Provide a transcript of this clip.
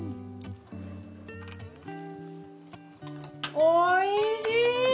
おいしい！